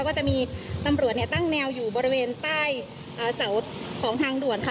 ก็จะมีตำรวจตั้งแนวอยู่บริเวณใต้เสาของทางด่วนค่ะ